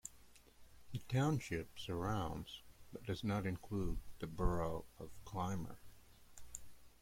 The township surrounds but does not include the borough of Clymer.